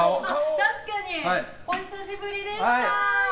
確かに！お久しぶりでした。